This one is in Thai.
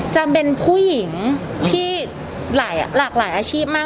จะเป็นผู้หญิงที่หลากหลายอาชีพมาก